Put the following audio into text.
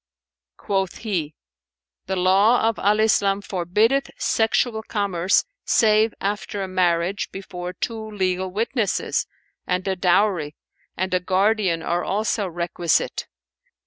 Quoth he, "The law of Al Islam forbiddeth sexual commerce save after a marriage before two legal witnesses, and a dowry and a guardian are also requisite.